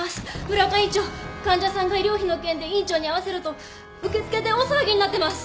村岡院長患者さんが医療費の件で院長に会わせろと受付で大騒ぎになってます！